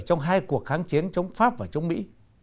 trong hai cuộc kháng chiến chống pháp và chống mỹ